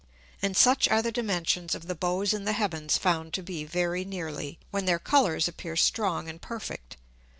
And such are the Dimensions of the Bows in the Heavens found to be very nearly, when their Colours appear strong and perfect.